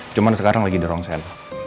cuman sekarang lagi di rongsen